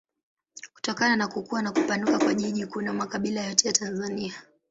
Kutokana na kukua na kupanuka kwa jiji kuna makabila yote ya Tanzania.